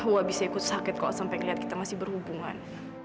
wah bisa ikut sakit kok sampai ngelihat kita masih berhubungan